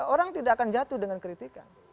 orang tidak akan jatuh dengan kritikan